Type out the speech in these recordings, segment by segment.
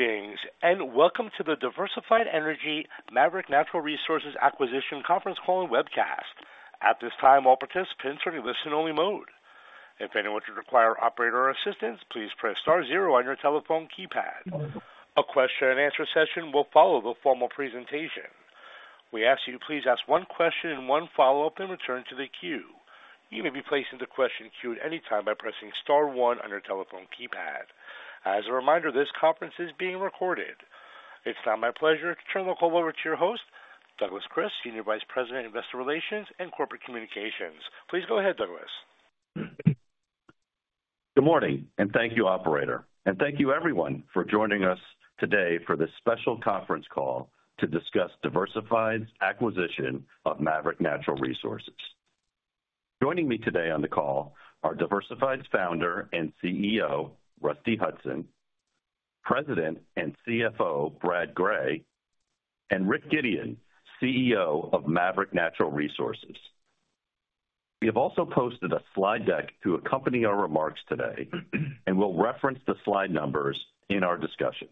Greetings and welcome to the Diversified Energy Maverick Natural Resources Acquisition Conference Call and Webcast. At this time, all participants are in listen-only mode. If anyone should require operator assistance, please press star zero on your telephone keypad. A question-and-answer session will follow the formal presentation. We ask that you please ask one question and one follow-up in return to the queue. You may be placed into question queue at any time by pressing star one on your telephone keypad. As a reminder, this conference is being recorded. It's now my pleasure to turn the call over to your host, Douglas Kris, Senior Vice President, Investor Relations and Corporate Communications. Please go ahead, Douglas. Good morning and thank you, Operator, and thank you, everyone, for joining us today for this special conference call to discuss Diversified's acquisition of Maverick Natural Resources. Joining me today on the call are Diversified's founder and CEO, Rusty Hutson, President and CFO, Brad Gray, and Rick Gideon, CEO of Maverick Natural Resources. We have also posted a slide deck to accompany our remarks today and will reference the slide numbers in our discussion.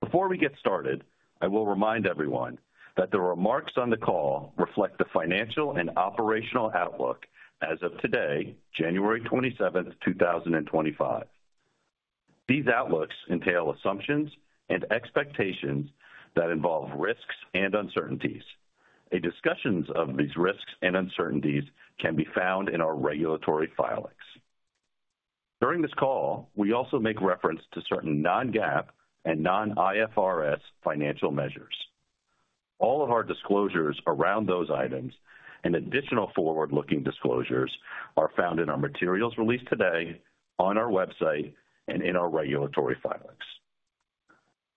Before we get started, I will remind everyone that the remarks on the call reflect the financial and operational outlook as of today, January 27th, 2025. These outlooks entail assumptions and expectations that involve risks and uncertainties. A discussion of these risks and uncertainties can be found in our regulatory filings. During this call, we also make reference to certain non-GAAP and non-IFRS financial measures. All of our disclosures around those items and additional forward-looking disclosures are found in our materials released today on our website and in our regulatory filings.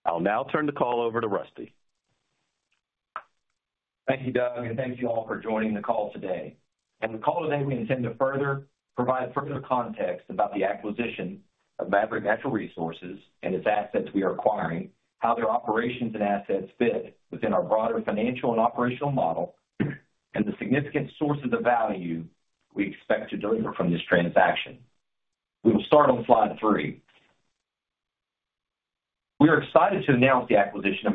I'll now turn the call over to Rusty. Thank you, Doug, and thank you all for joining the call today. In the call today, we intend to provide further context about the acquisition of Maverick Natural Resources and its assets we are acquiring, how their operations and assets fit within our broader financial and operational model, and the significant sources of value we expect to deliver from this transaction. We will start on slide three. We are excited to announce the acquisition of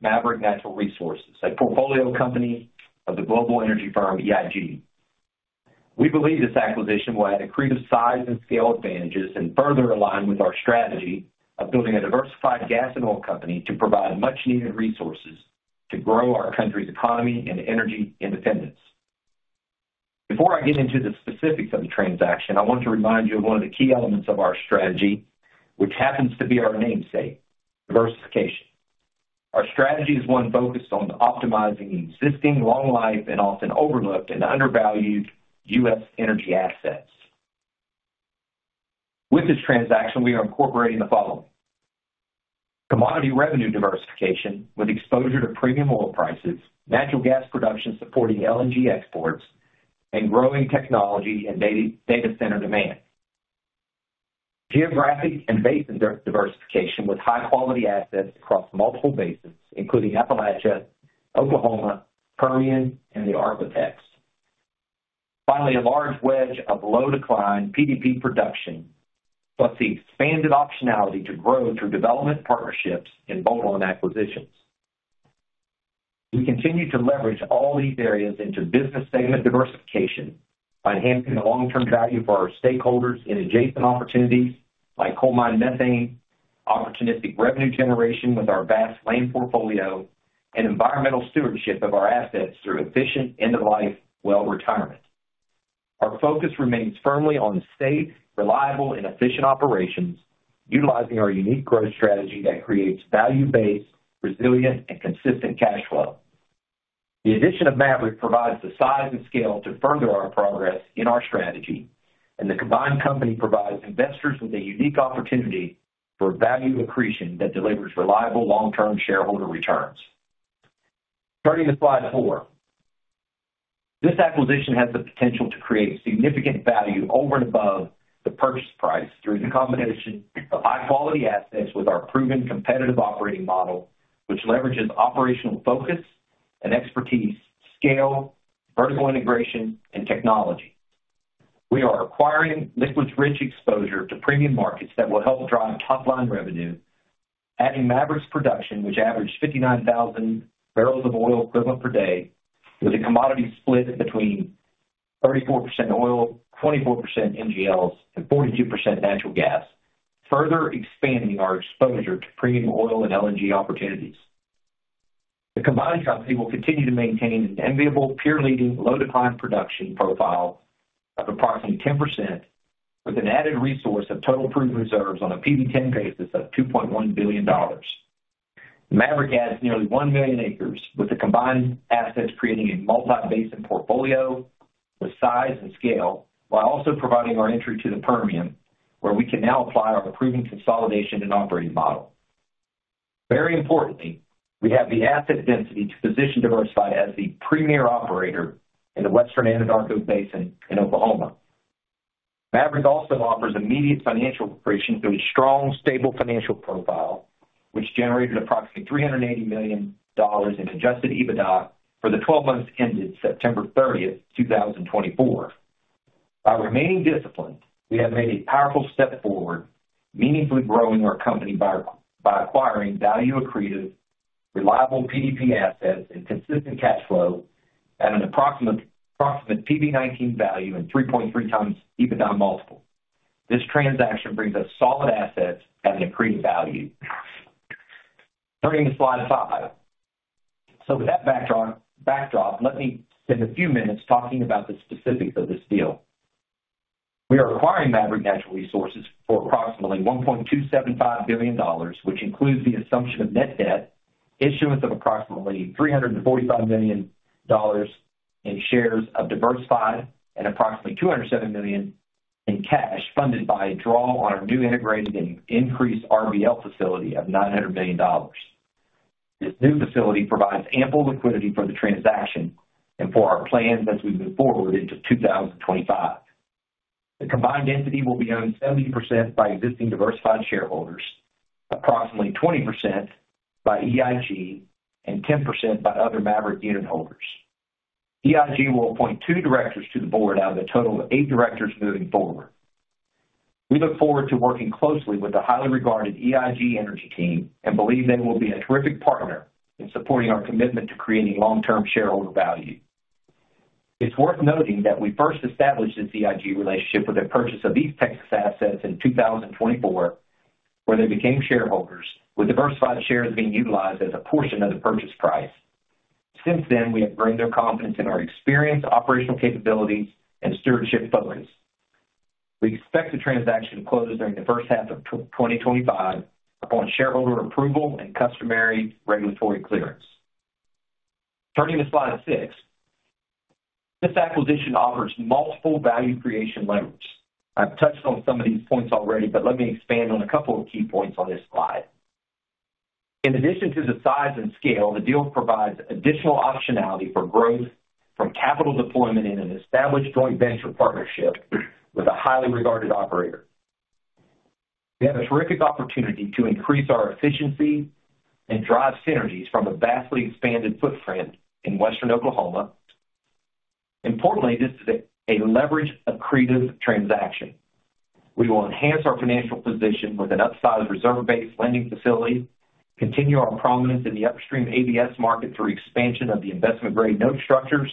Maverick Natural Resources, a portfolio company of the global energy firm EIG. We believe this acquisition will add accretive size and scale advantages and further align with our strategy of building a diversified gas and oil company to provide much-needed resources to grow our country's economy and energy independence. Before I get into the specifics of the transaction, I want to remind you of one of the key elements of our strategy, which happens to be our namesake, diversification. Our strategy is one focused on optimizing existing long-life and often overlooked and undervalued U.S. energy assets. With this transaction, we are incorporating the following: commodity revenue diversification with exposure to premium oil prices, natural gas production supporting LNG exports, and growing technology and data center demand. Geographic and basin diversification with high-quality assets across multiple basins, including Appalachia, Oklahoma, Permian, and the Anadarko. Finally, a large wedge of low-decline PDP production, plus the expanded optionality to grow through development partnerships and bolt-on acquisitions. We continue to leverage all these areas into business segment diversification by enhancing the long-term value for our stakeholders in adjacent opportunities like coal mine methane, opportunistic revenue generation with our vast land portfolio, and environmental stewardship of our assets through efficient end-of-life well retirement. Our focus remains firmly on safe, reliable, and efficient operations, utilizing our unique growth strategy that creates value-based, resilient, and consistent cash flow. The addition of Maverick provides the size and scale to further our progress in our strategy, and the combined company provides investors with a unique opportunity for value accretion that delivers reliable long-term shareholder returns. Turning to slide four, this acquisition has the potential to create significant value over and above the purchase price through the combination of high-quality assets with our proven competitive operating model, which leverages operational focus and expertise, scale, vertical integration, and technology. We are acquiring liquids-rich exposure to premium markets that will help drive top-line revenue, adding Maverick's production, which averages 59,000 barrels of oil equivalent per day, with a commodity split between 34% oil, 24% NGLs, and 42% natural gas, further expanding our exposure to premium oil and LNG opportunities. The combined company will continue to maintain an enviable, peer-leading, low-decline production profile of approximately 10%, with an added resource of total proven reserves on a PV-10 basis of $2.1 billion. Maverick adds nearly 1 million acres, with the combined assets creating a multi-basin portfolio with size and scale, while also providing our entry to the Permian, where we can now apply our proven consolidation and operating model. Very importantly, we have the asset density to position Diversified as the premier operator in the Western Anadarko Basin in Oklahoma. Maverick also offers immediate financial accretion through a strong, stable financial profile, which generated approximately $380 million in adjusted EBITDA for the 12 months ended September 30th, 2024. By remaining disciplined, we have made a powerful step forward, meaningfully growing our company by acquiring value-accretive, reliable PDP assets, and consistent cash flow at an approximate PV-19 value and 3.3x EBITDA multiple. This transaction brings us solid assets at an accretive value. Turning to slide five, so with that backdrop, let me spend a few minutes talking about the specifics of this deal. We are acquiring Maverick Natural Resources for approximately $1.275 billion, which includes the assumption of net debt, issuance of approximately $345 million in shares of Diversified, and approximately $207 million in cash funded by a draw on our new integrated and increased RBL facility of $900 million. This new facility provides ample liquidity for the transaction and for our plans as we move forward into 2025. The combined entity will be owned 70% by existing Diversified shareholders, approximately 20% by EIG, and 10% by other Maverick unit holders. EIG will appoint two directors to the board out of a total of eight directors moving forward. We look forward to working closely with the highly regarded EIG Energy team and believe they will be a terrific partner in supporting our commitment to creating long-term shareholder value. It's worth noting that we first established this EIG relationship with the purchase of East Texas assets in 2024, where they became shareholders, with Diversified shares being utilized as a portion of the purchase price. Since then, we have grown their confidence in our experience, operational capabilities, and stewardship focus. We expect the transaction to close during the first half of 2025 upon shareholder approval and customary regulatory clearance. Turning to slide six, this acquisition offers multiple value creation levers. I've touched on some of these points already, but let me expand on a couple of key points on this slide. In addition to the size and scale, the deal provides additional optionality for growth from capital deployment in an established joint venture partnership with a highly regarded operator. We have a terrific opportunity to increase our efficiency and drive synergies from a vastly expanded footprint in Western Oklahoma. Importantly, this is a leverage-accretive transaction. We will enhance our financial position with an upsized reserve-based lending facility, continue our prominence in the upstream ABS market through expansion of the investment-grade note structures,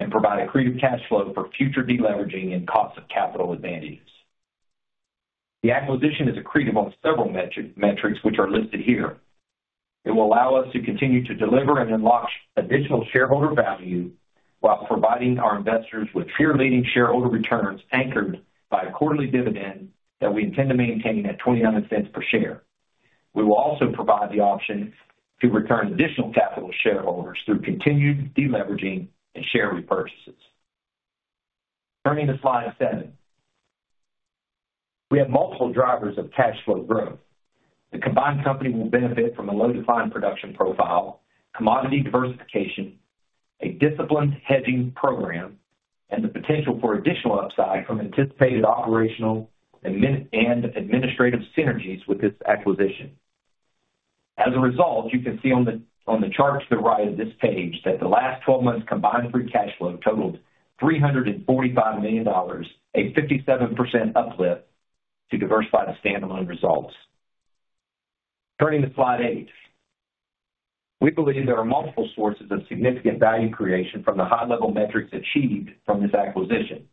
and provide accretive cash flow for future deleveraging and cost of capital advantages. The acquisition is accretive on several metrics which are listed here. It will allow us to continue to deliver and unlock additional shareholder value while providing our investors with peer-leading shareholder returns anchored by a quarterly dividend that we intend to maintain at $0.29 per share. We will also provide the option to return additional capital to shareholders through continued deleveraging and share repurchases. Turning to slide seven, we have multiple drivers of cash flow growth. The combined company will benefit from a low-decline production profile, commodity diversification, a disciplined hedging program, and the potential for additional upside from anticipated operational and administrative synergies with this acquisition. As a result, you can see on the chart to the right of this page that the last 12 months' combined free cash flow totaled $345 million, a 57% uplift to Diversified's standalone results. Turning to slide eight, we believe there are multiple sources of significant value creation from the high-level metrics achieved from this acquisition.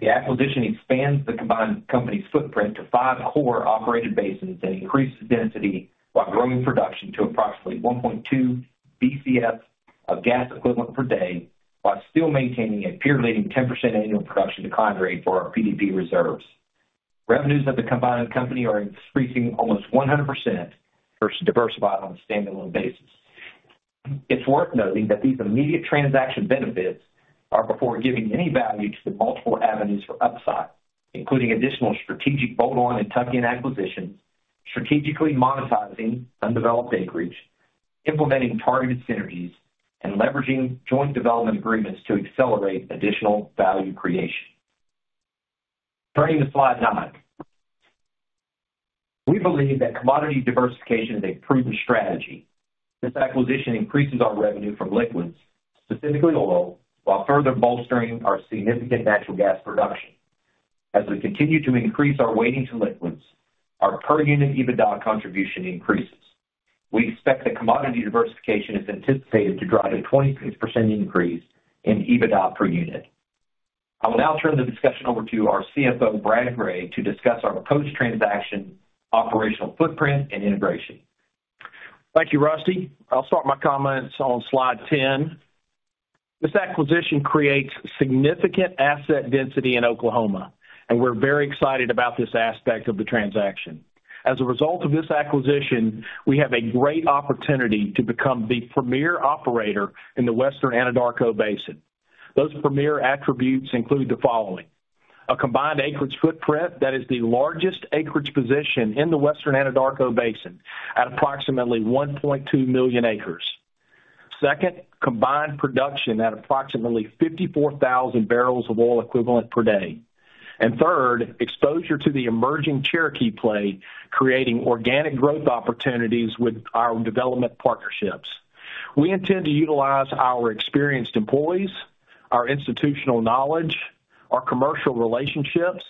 The acquisition expands the combined company's footprint to five core operated basins and increases density while growing production to approximately 1.2 BCF of gas equivalent per day, while still maintaining a peer-leading 10% annual production decline rate for our PDP reserves. Revenues of the combined company are increasing almost 100% versus Diversified on a standalone basis. It's worth noting that these immediate transaction benefits are before giving any value to the multiple avenues for upside, including additional strategic bolt-on and tuck-in acquisitions, strategically monetizing undeveloped acreage, implementing targeted synergies, and leveraging joint development agreements to accelerate additional value creation. Turning to slide nine, we believe that commodity diversification is a proven strategy. This acquisition increases our revenue from liquids, specifically oil, while further bolstering our significant natural gas production. As we continue to increase our weighting to liquids, our per-unit EBITDA contribution increases. We expect that commodity diversification is anticipated to drive a 26% increase in EBITDA per unit. I will now turn the discussion over to our CFO, Brad Gray, to discuss our post-transaction operational footprint and integration. Thank you, Rusty. I'll start my comments on slide 10. This acquisition creates significant asset density in Oklahoma, and we're very excited about this aspect of the transaction. As a result of this acquisition, we have a great opportunity to become the premier operator in the Western Anadarko Basin. Those premier attributes include the following: a combined acreage footprint that is the largest acreage position in the Western Anadarko Basin at approximately 1.2 million acres; second, combined production at approximately 54,000 barrels of oil equivalent per day; and third, exposure to the emerging Cherokee Play, creating organic growth opportunities with our development partnerships. We intend to utilize our experienced employees, our institutional knowledge, our commercial relationships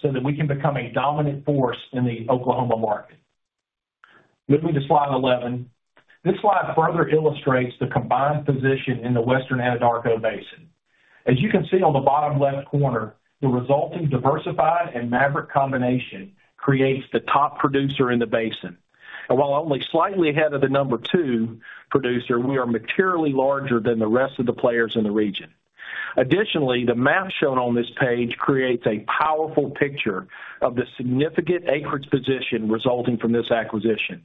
so that we can become a dominant force in the Oklahoma market. Moving to slide 11, this slide further illustrates the combined position in the Western Anadarko Basin. As you can see on the bottom left corner, the resulting Diversified and Maverick combination creates the top producer in the basin, and while only slightly ahead of the number two producer, we are materially larger than the rest of the players in the region. Additionally, the map shown on this page creates a powerful picture of the significant acreage position resulting from this acquisition.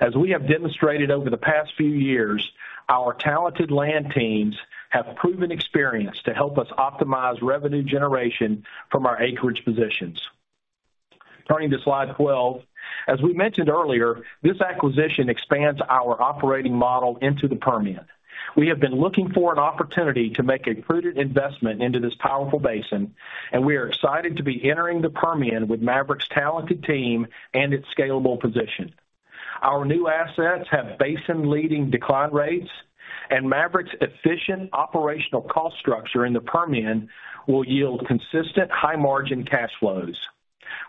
As we have demonstrated over the past few years, our talented land teams have proven experience to help us optimize revenue generation from our acreage positions. Turning to slide 12, as we mentioned earlier, this acquisition expands our operating model into the Permian. We have been looking for an opportunity to make a prudent investment into this powerful basin, and we are excited to be entering the Permian with Maverick's talented team and its scalable position. Our new assets have basin-leading decline rates, and Maverick's efficient operational cost structure in the Permian will yield consistent high-margin cash flows.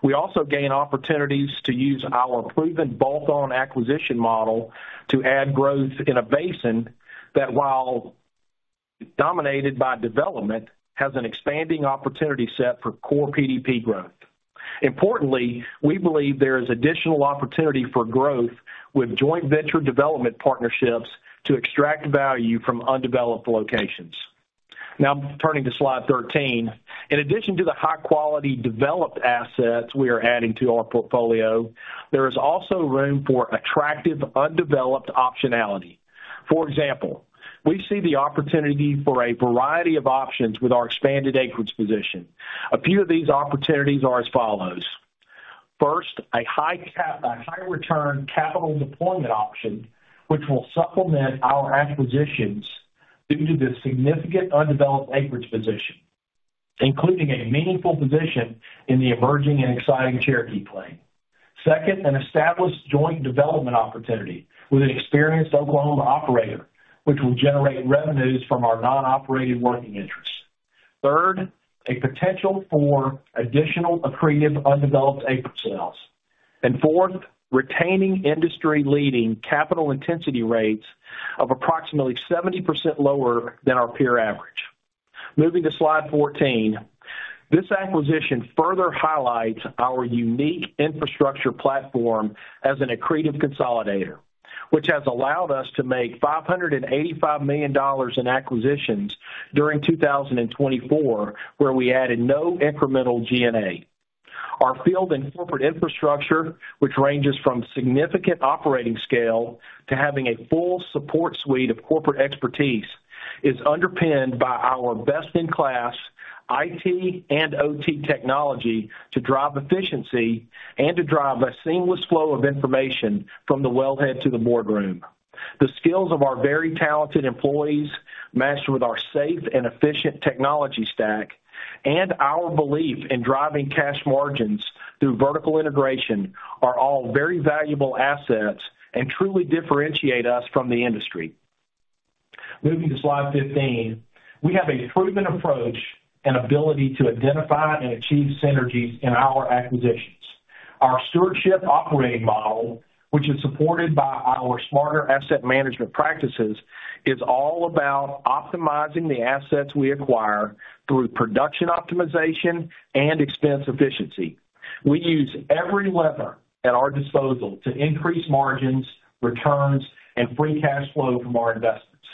We also gain opportunities to use our proven bolt-on acquisition model to add growth in a basin that, while dominated by development, has an expanding opportunity set for core PDP growth. Importantly, we believe there is additional opportunity for growth with joint venture development partnerships to extract value from undeveloped locations. Now, turning to slide 13, in addition to the high-quality developed assets we are adding to our portfolio, there is also room for attractive undeveloped optionality. For example, we see the opportunity for a variety of options with our expanded acreage position. A few of these opportunities are as follows. First, a high-return capital deployment option, which will supplement our acquisitions due to the significant undeveloped acreage position, including a meaningful position in the emerging and exciting Cherokee Play. Second, an established joint development opportunity with an experienced Oklahoma operator, which will generate revenues from our non-operated working interests. Third, a potential for additional accretive undeveloped acreage sales. And fourth, retaining industry-leading capital intensity rates of approximately 70% lower than our peer average. Moving to slide 14, this acquisition further highlights our unique infrastructure platform as an accretive consolidator, which has allowed us to make $585 million in acquisitions during 2024, where we added no incremental G&A. Our field and corporate infrastructure, which ranges from significant operating scale to having a full support suite of corporate expertise, is underpinned by our best-in-class IT and OT technology to drive efficiency and to drive a seamless flow of information from the wellhead to the boardroom. The skills of our very talented employees, matched with our safe and efficient technology stack, and our belief in driving cash margins through vertical integration are all very valuable assets and truly differentiate us from the industry. Moving to slide 15, we have a proven approach and ability to identify and achieve synergies in our acquisitions. Our stewardship operating model, which is supported by our smarter asset management practices, is all about optimizing the assets we acquire through production optimization and expense efficiency. We use every lever at our disposal to increase margins, returns, and free cash flow from our investments.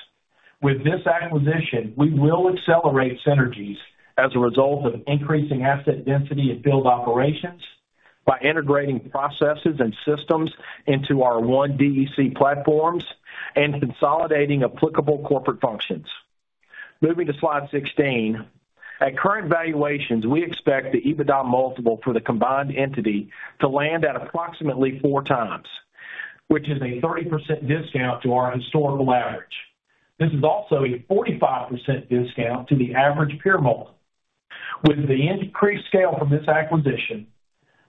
With this acquisition, we will accelerate synergies as a result of increasing asset density and field operations by integrating processes and systems into our One DEC platforms and consolidating applicable corporate functions. Moving to slide 16, at current valuations, we expect the EBITDA multiple for the combined entity to land at approximately four times, which is a 30% discount to our historical average. This is also a 45% discount to the average peer multiple. With the increased scale from this acquisition,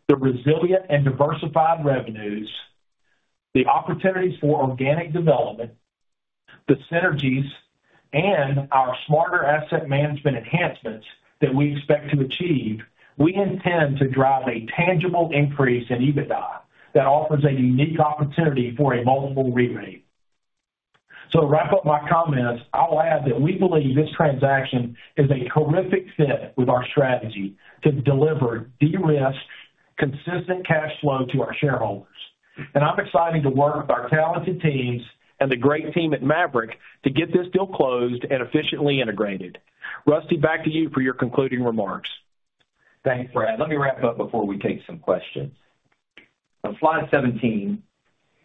the resilient and diversified revenues, the opportunities for organic development, the synergies, and our smarter asset management enhancements that we expect to achieve, we intend to drive a tangible increase in EBITDA that offers a unique opportunity for a multiple re-rate. So to wrap up my comments, I'll add that we believe this transaction is a terrific fit with our strategy to deliver de-risk, consistent cash flow to our shareholders. And I'm excited to work with our talented teams and the great team at Maverick to get this deal closed and efficiently integrated. Rusty, back to you for your concluding remarks. Thanks, Brad. Let me wrap up before we take some questions. On slide 17,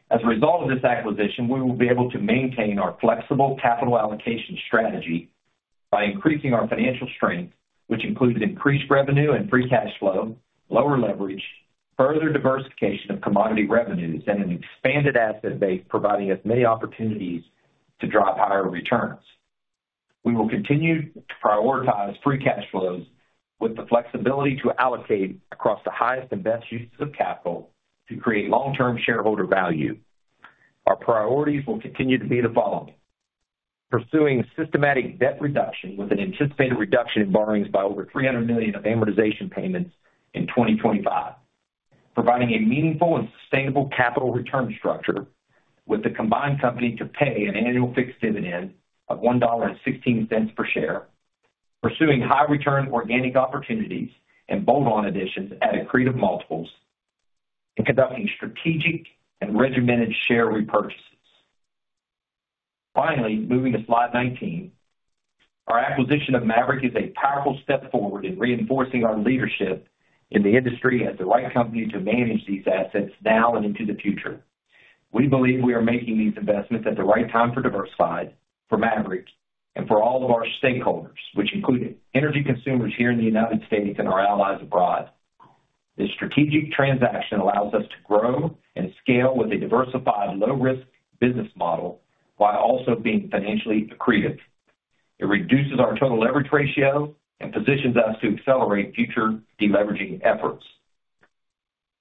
as a result of this acquisition, we will be able to maintain our flexible capital allocation strategy by increasing our financial strength, which includes increased revenue and free cash flow, lower leverage, further diversification of commodity revenues, and an expanded asset base providing us many opportunities to drive higher returns. We will continue to prioritize free cash flows with the flexibility to allocate across the highest and best uses of capital to create long-term shareholder value. Our priorities will continue to be the following: pursuing systematic debt reduction with an anticipated reduction in borrowings by over $300 million of amortization payments in 2025, providing a meaningful and sustainable capital return structure with the combined company to pay an annual fixed dividend of $1.16 per share, pursuing high-return organic opportunities and bolt-on additions at accretive multiples, and conducting strategic and regimented share repurchases. Finally, moving to slide 19, our acquisition of Maverick is a powerful step forward in reinforcing our leadership in the industry as the right company to manage these assets now and into the future. We believe we are making these investments at the right time for Diversified, for Maverick, and for all of our stakeholders, which include energy consumers here in the United States and our allies abroad. This strategic transaction allows us to grow and scale with a diversified, low-risk business model while also being financially accretive. It reduces our total leverage ratio and positions us to accelerate future deleveraging efforts.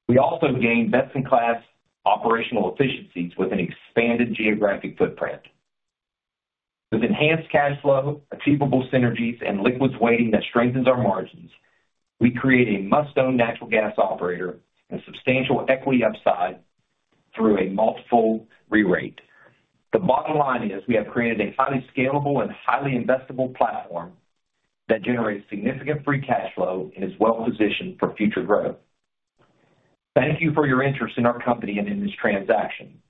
We also gain best-in-class operational efficiencies with an expanded geographic footprint. With enhanced cash flow, achievable synergies, and liquids weighting that strengthens our margins, we create a must-own natural gas operator and substantial equity upside through a multiple re-rate. The bottom line is we have created a highly scalable and highly investable platform that generates significant free cash flow and is well-positioned for future growth. Thank you for your interest in our company and in this transaction.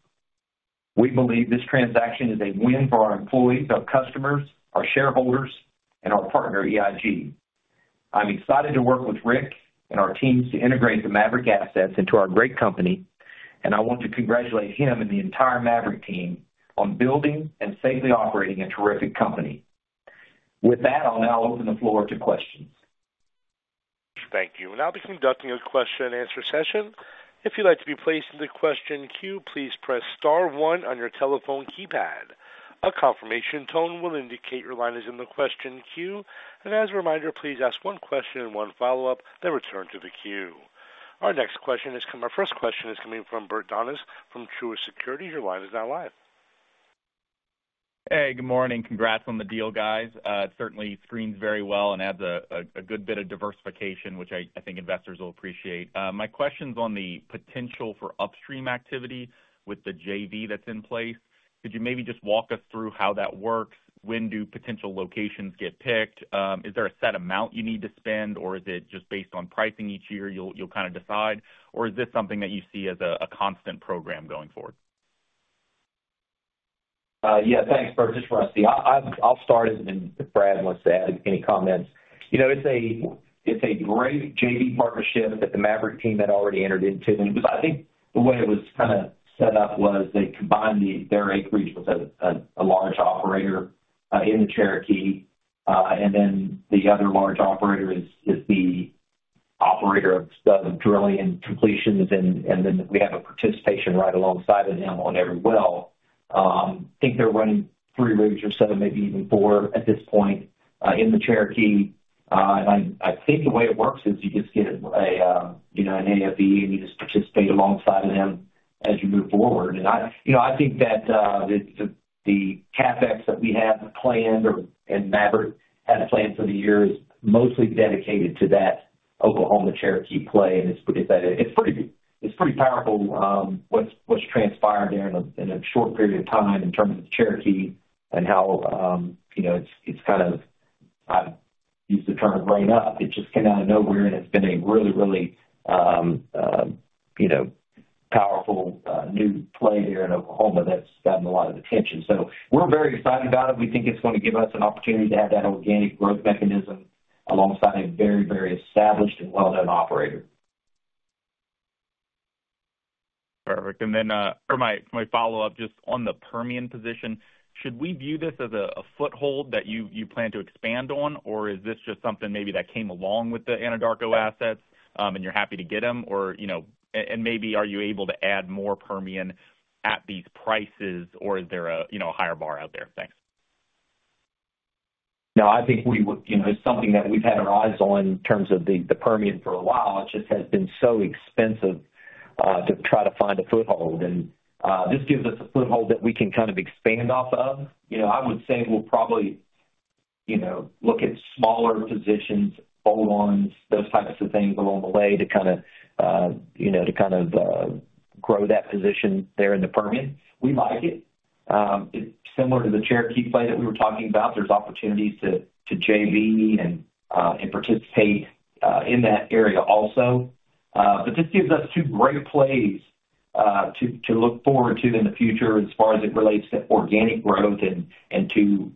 We believe this transaction is a win for our employees, our customers, our shareholders, and our partner, EIG. I'm excited to work with Rick and our teams to integrate the Maverick assets into our great company, and I want to congratulate him and the entire Maverick team on building and safely operating a terrific company. With that, I'll now open the floor to questions. Thank you. Now, I'll be conducting a question-and-answer session. If you'd like to be placed in the question queue, please press star one on your telephone keypad. A confirmation tone will indicate your line is in the question queue, and as a reminder, please ask one question and one follow-up, then return to the queue. Our next question is coming, our first question is coming from Bert Donnes from Truist Securities. Your line is now live. Hey, good morning. Congrats on the deal, guys. It certainly seems very well and adds a good bit of diversification, which I think investors will appreciate. My question's on the potential for upstream activity with the JV that's in place. Could you maybe just walk us through how that works? When do potential locations get picked? Is there a set amount you need to spend, or is it just based on pricing each year you'll kind of decide? Or is this something that you see as a constant program going forward? Yeah, thanks, Bert, just for us to see. I'll start as Brad wants to add any comments. It's a great JV partnership that the Maverick team had already entered into, and I think the way it was kind of set up was they combined their acreage with a large operator in the Cherokee, and then the other large operator is the operator of drilling and completions, and then we have a participation right alongside of them on every well. I think they're running three rigs or so, maybe even four at this point in the Cherokee, and I think the way it works is you just get an AFE, and you just participate alongside of them as you move forward, and I think that the CapEx that we have planned and Maverick had planned for the year is mostly dedicated to that Oklahoma-Cherokee play. It's pretty powerful what's transpired there in a short period of time in terms of the Cherokee and how it's kind of, I've used the term grown up. It just came out of nowhere, and it's been a really, really powerful new play there in Oklahoma that's gotten a lot of attention. We're very excited about it. We think it's going to give us an opportunity to have that organic growth mechanism alongside a very, very established and well-known operator. Perfect. And then for my follow-up, just on the Permian position, should we view this as a foothold that you plan to expand on, or is this just something maybe that came along with the Anadarko assets and you're happy to get them? And maybe, are you able to add more Permian at these prices, or is there a higher bar out there? Thanks. No, I think it's something that we've had our eyes on in terms of the Permian for a while. It just has been so expensive to try to find a foothold, and this gives us a foothold that we can kind of expand off of. I would say we'll probably look at smaller positions, bolt-ons, those types of things along the way to kind of grow that position there in the Permian. We like it. It's similar to the Cherokee Play that we were talking about. There's opportunities to JV and participate in that area also, but this gives us two great plays to look forward to in the future as far as it relates to organic growth and to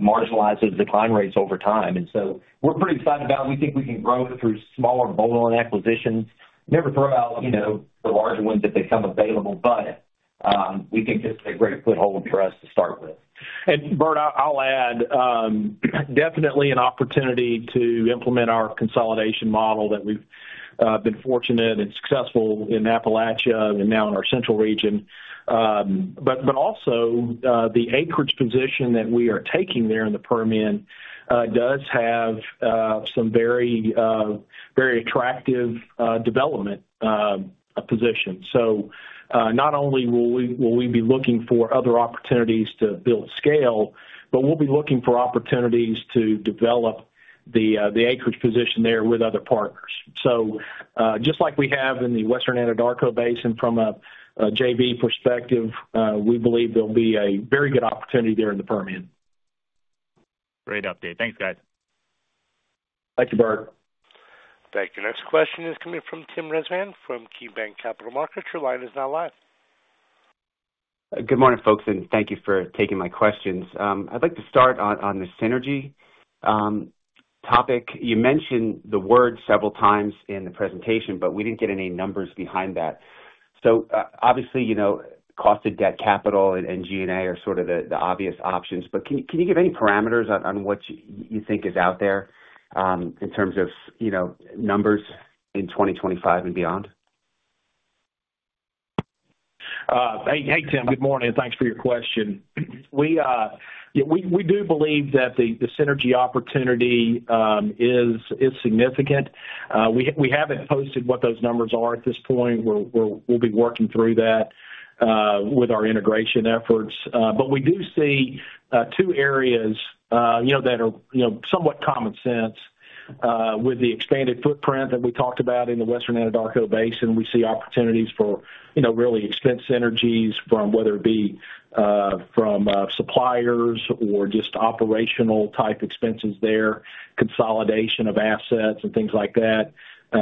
marginalize those decline rates over time, and so we're pretty excited about it. We think we can grow it through smaller bolt-on acquisitions. Never throw out the larger ones if they come available, but we think this is a great foothold for us to start with. And, Bert, I'll add, definitely an opportunity to implement our consolidation model that we've been fortunate and successful in Appalachia and now in our central region. But also, the acreage position that we are taking there in the Permian does have some very attractive development positions. So not only will we be looking for other opportunities to build scale, but we'll be looking for opportunities to develop the acreage position there with other partners. So just like we have in the Western Anadarko Basin from a JV perspective, we believe there'll be a very good opportunity there in the Permian. Great update. Thanks, guys. Thank you, Bert. Thank you. Next question is coming from Tim Rezvan from KeyBanc Capital Markets. Your line is now live. Good morning, folks, and thank you for taking my questions. I'd like to start on the synergy topic. You mentioned the word several times in the presentation, but we didn't get any numbers behind that. So obviously, cost of debt capital and G&A are sort of the obvious options, but can you give any parameters on what you think is out there in terms of numbers in 2025 and beyond? Hey, Tim. Good morning. Thanks for your question. We do believe that the synergy opportunity is significant. We haven't posted what those numbers are at this point. We'll be working through that with our integration efforts. But we do see two areas that are somewhat common sense. With the expanded footprint that we talked about in the Western Anadarko Basin, we see opportunities for real expense synergies, whether it be from suppliers or just operational-type expenses there, consolidation of assets, and things like that.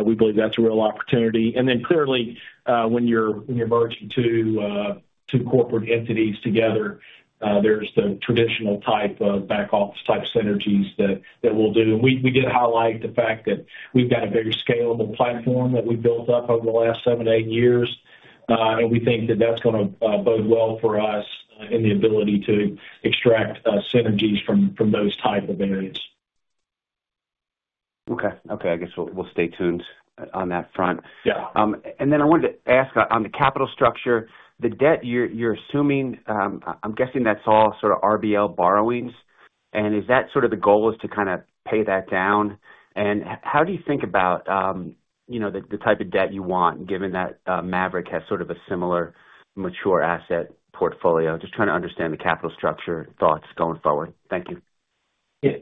We believe that's a real opportunity. And then clearly, when you're merging two corporate entities together, there's the traditional type of back-office-type synergies that we'll do. We did highlight the fact that we've got a very scalable platform that we built up over the last seven, eight years, and we think that that's going to bode well for us in the ability to extract synergies from those types of areas. Okay. Okay. I guess we'll stay tuned on that front. And then I wanted to ask on the capital structure, the debt you're assuming. I'm guessing that's all sort of RBL borrowings. And is that sort of the goal, to kind of pay that down? And how do you think about the type of debt you want, given that Maverick has sort of a similar mature asset portfolio? Just trying to understand the capital structure thoughts going forward. Thank you. Yeah.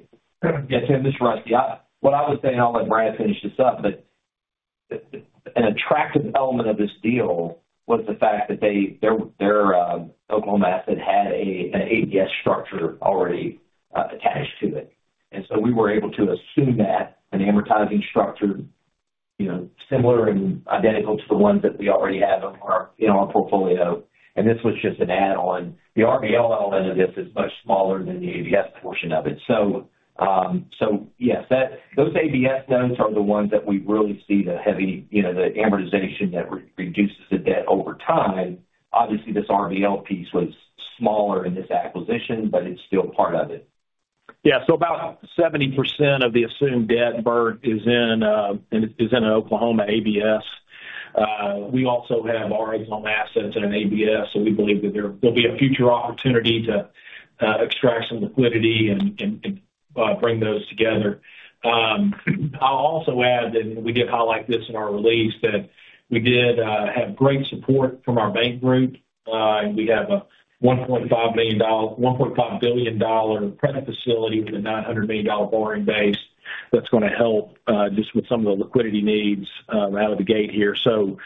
Yeah, Tim, this is Rusty. What I was saying, I'll let Brad finish this up, but an attractive element of this deal was the fact that their Oklahoma asset had an ABS structure already attached to it. And so we were able to assume that an amortizing structure similar and identical to the ones that we already have in our portfolio. And this was just an add-on. The RBL element of this is much smaller than the ABS portion of it. So yes, those ABS notes are the ones that we really see the heavy amortization that reduces the debt over time. Obviously, this RBL piece was smaller in this acquisition, but it's still part of it. Yeah. So about 70% of the assumed debt, Bert, is in an Oklahoma ABS. We also have our Oklahoma assets in an ABS, so we believe that there will be a future opportunity to extract some liquidity and bring those together. I'll also add that we did highlight this in our release that we did have great support from our bank group. We have a $1.5 billion credit facility with a $900 million borrowing base that's going to help just with some of the liquidity needs out of the gate here. So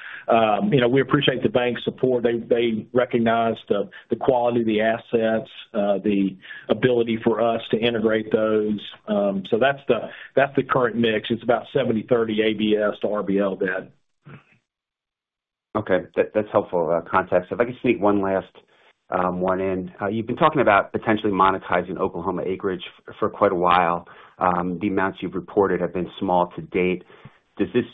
we appreciate the bank's support. They recognize the quality of the assets, the ability for us to integrate those. So that's the current mix. It's about 70/30 ABS to RBL debt. Okay. That's helpful context. If I could sneak one last one in. You've been talking about potentially monetizing Oklahoma acreage for quite a while. The amounts you've reported have been small to date. Does this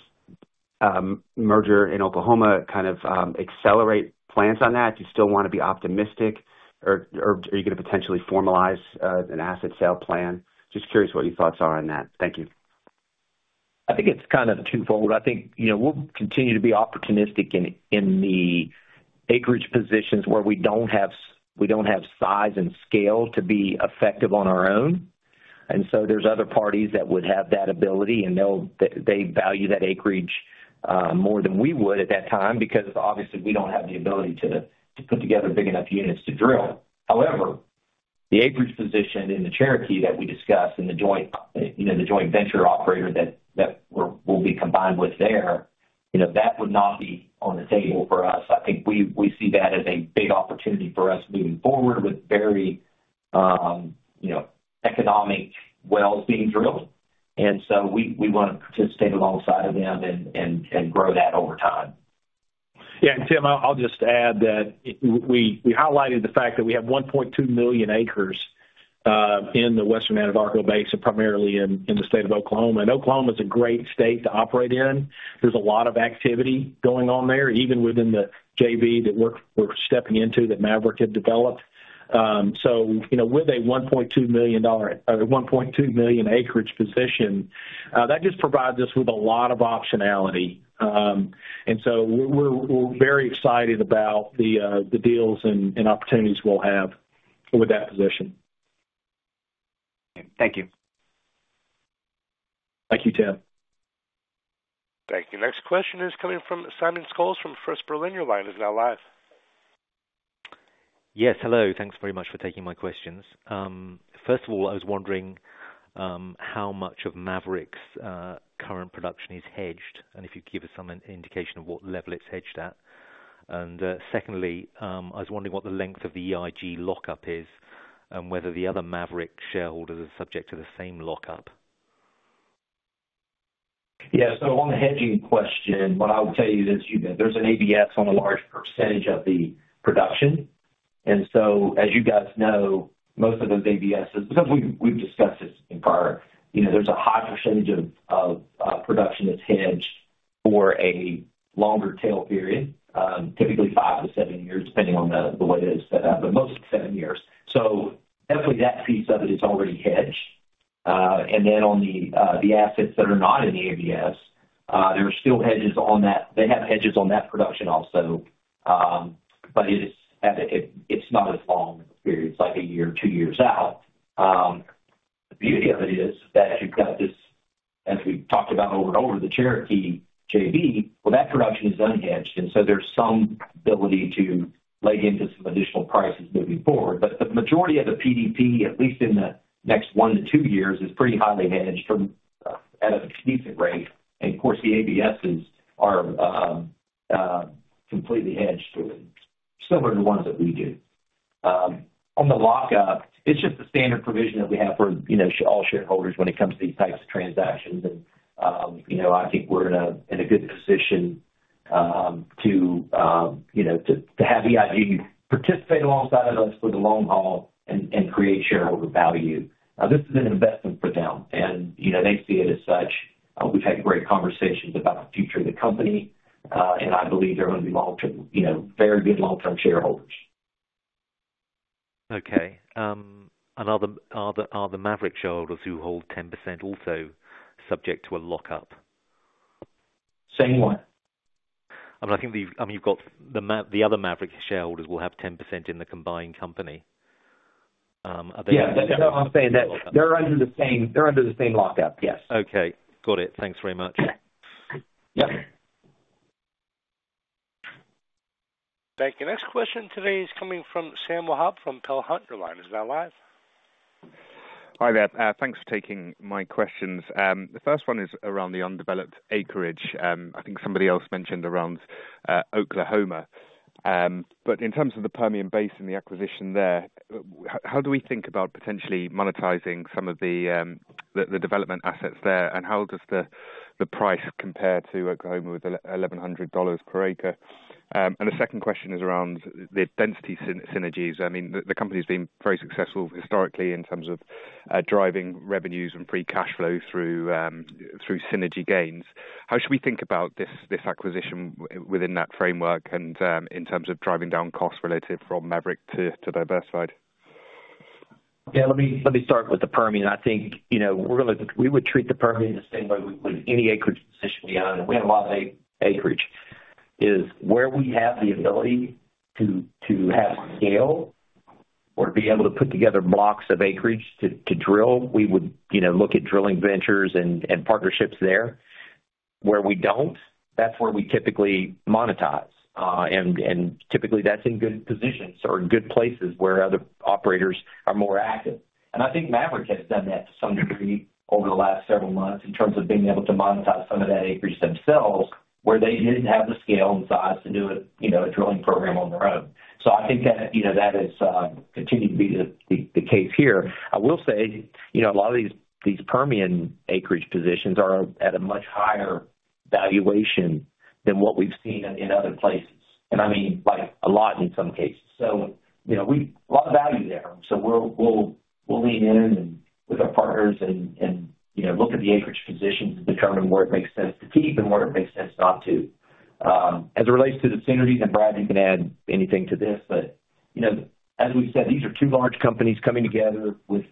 merger in Oklahoma kind of accelerate plans on that? Do you still want to be optimistic, or are you going to potentially formalize an asset sale plan? Just curious what your thoughts are on that. Thank you. I think it's kind of twofold. I think we'll continue to be opportunistic in the acreage positions where we don't have size and scale to be effective on our own. And so there's other parties that would have that ability, and they value that acreage more than we would at that time because, obviously, we don't have the ability to put together big enough units to drill. However, the acreage position in the Cherokee that we discussed and the joint venture operator that we'll be combined with there, that would not be on the table for us. I think we see that as a big opportunity for us moving forward with very economic wells being drilled. And so we want to participate alongside of them and grow that over time. Yeah. And Tim, I'll just add that we highlighted the fact that we have 1.2 million acres in the Western Anadarko Basin, primarily in the state of Oklahoma. And Oklahoma is a great state to operate in. There's a lot of activity going on there, even within the JV that we're stepping into that Maverick had developed. So with a 1.2 million-acre position, that just provides us with a lot of optionality. And so we're very excited about the deals and opportunities we'll have with that position. Thank you. Thank you, Tim. Thank you. Next question is coming from Simon Scholes from First Berlin. Your line is now live. Yes. Hello. Thanks very much for taking my questions. First of all, I was wondering how much of Maverick's current production is hedged and if you could give us some indication of what level it's hedged at? And secondly, I was wondering what the length of the EIG lockup is and whether the other Maverick shareholders are subject to the same lockup? Yeah, so on the hedging question, what I would tell you is there's an ABS on a large percentage of the production. And so as you guys know, most of those ABS, because we've discussed this in prior, there's a high percentage of production that's hedged for a longer tail period, typically five to seven years, depending on the way it is set up. But most, seven years, so definitely that piece of it is already hedged. And then on the assets that are not in the ABS, there are still hedges on that. They have hedges on that production also, but it's not as long a period. It's like a year or two years out. The beauty of it is that you've got this, as we've talked about over and over, the Cherokee JV. Well, that production is unhedged. And so there's some ability to leg into some additional prices moving forward. But the majority of the PDP, at least in the next one to two years, is pretty highly hedged at a decent rate. And of course, the ABSes are completely hedged, similar to the ones that we do. On the lockup, it's just the standard provision that we have for all shareholders when it comes to these types of transactions. And I think we're in a good position to have EIG participate alongside of us for the long haul and create shareholder value. Now, this is an investment for them, and they see it as such. We've had great conversations about the future of the company, and I believe they're going to be very good long-term shareholders. Okay, and are the Maverick shareholders who hold 10% also subject to a lockup? Same one. I mean, I think you've got the other Maverick shareholders will have 10% in the combined company. Yeah. No, I'm saying that they're under the same lockup, yes. Okay. Got it. Thanks very much. Thank you. Next question today is coming from Samuel Hutt from Peel Hunt line is now live. Hi there. Thanks for taking my questions. The first one is around the undeveloped acreage. I think somebody else mentioned around Oklahoma. But in terms of the Permian Basin, the acquisition there, how do we think about potentially monetizing some of the development assets there? And how does the price compare to Oklahoma with $1,100 per acre? And the second question is around the density synergies. I mean, the company has been very successful historically in terms of driving revenues and free cash flow through synergy gains. How should we think about this acquisition within that framework and in terms of driving down costs relative from Maverick to Diversified? Yeah. Let me start with the Permian. I think we would treat the Permian the same way with any acreage position we have. And we have a lot of acreage. It's where we have the ability to have scale or be able to put together blocks of acreage to drill. We would look at drilling ventures and partnerships there. Where we don't, that's where we typically monetize. And typically, that's in good positions or in good places where other operators are more active. And I think Maverick has done that to some degree over the last several months in terms of being able to monetize some of that acreage themselves, where they didn't have the scale and size to do a drilling program on their own. So I think that that has continued to be the case here. I will say a lot of these Permian acreage positions are at a much higher valuation than what we've seen in other places, and I mean, a lot in some cases, so a lot of value there. So we'll lean in with our partners and look at the acreage positions and determine where it makes sense to keep and where it makes sense not to. As it relates to the synergies, and Brad, you can add anything to this, but as we've said, these are two large companies coming together with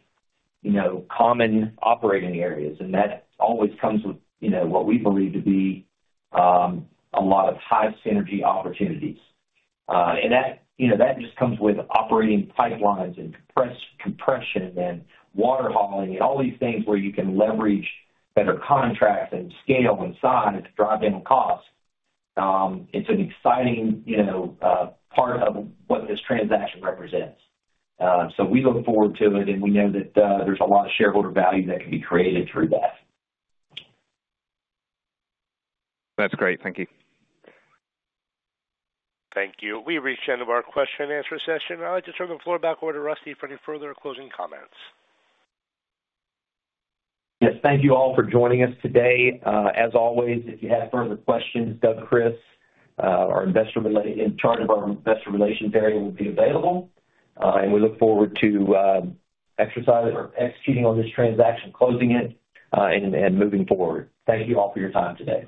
common operating areas, and that always comes with what we believe to be a lot of high synergy opportunities. And that just comes with operating pipelines and compression and water hauling and all these things where you can leverage better contracts and scale and size to drive down costs. It's an exciting part of what this transaction represents. So we look forward to it, and we know that there's a lot of shareholder value that can be created through that. That's great. Thank you. Thank you. We reached the end of our question-and-answer session. I'd like to turn the floor back over to Rusty for any further closing comments. Yes. Thank you all for joining us today. As always, if you have further questions, Doug Kris, our investor in charge of our investor relations area, will be available, and we look forward to executing on this transaction, closing it, and moving forward. Thank you all for your time today.